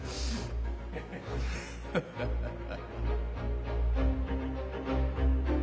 ハッハハハ。